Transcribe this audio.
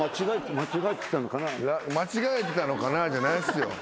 間違えてたのかなぁじゃないんすよ。